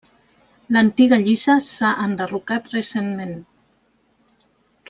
L'antiga lliça s'ha enderrocat recentment.